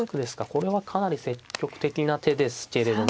これはかなり積極的な手ですけれども。